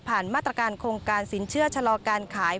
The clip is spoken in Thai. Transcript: มาตรการโครงการสินเชื่อชะลอการขาย